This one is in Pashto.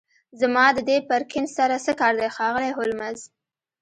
زما د دې پرکینز سره څه کار دی ښاغلی هولمز